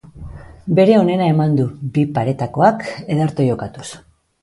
Bere onena eman du, bi paretakoak ederto jokatuz.